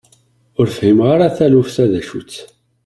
Ur fhimeɣ ara taluft-a d acu-tt.